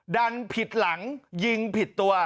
ดันผิดหลังยิงผิดตัว